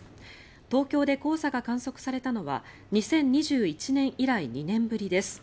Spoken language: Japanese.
東京で黄砂が観測されたのは２０２１年以来２年ぶりです。